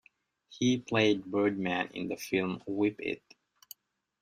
He played "Birdman" in the film "Whip It".